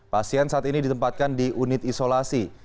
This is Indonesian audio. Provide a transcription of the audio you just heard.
pasien saat ini ditempatkan di unit isolasi